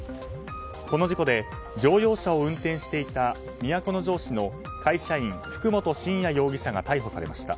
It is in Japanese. この事故で乗用車を運転していた都城市の会社員、福元伸哉容疑者が逮捕されました。